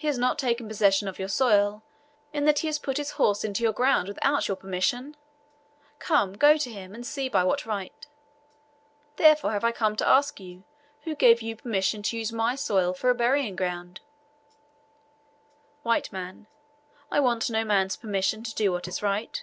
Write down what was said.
Has he not taken possession of your soil, in that he has put his horse into your ground without your permission? Come, go to him and see by what right.' Therefore have I come to ask you, who gave you permission to use my soil for a burying ground?" W. M. "I want no man's permission to do what is right.